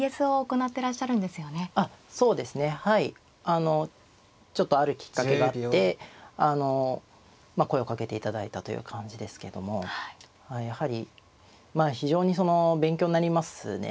あのちょっとあるきっかけがあってまあ声をかけていただいたという感じですけどもやはりまあ非常にその勉強になりますね。